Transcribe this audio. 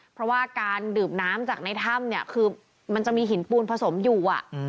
เพราะว่าการดื่มน้ำจากในถ้ำเนี่ยคือมันจะมีหินปูนผสมอยู่